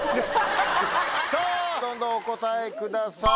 さぁどんどんお答えください。